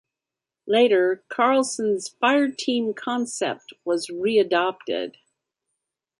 Later, Carlson's fireteam concept was re-adopted.